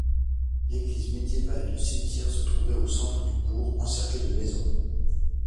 L'église médiévale et le cimetière se trouvaient au centre du bourg, encerclés de maisons.